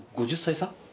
５０歳差？